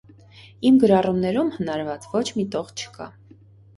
Իմ գրառումներում հնարված ոչ մի տող չկա: